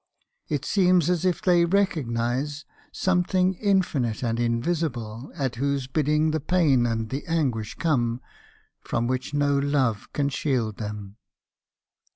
It seems as if they re cognised something infinite and invisible , at whose bidding the pain and the anguish come, from which no love can shield them.